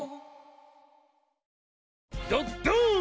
どっどーん！